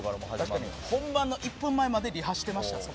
確かに本番の１分前までリハしてましたね。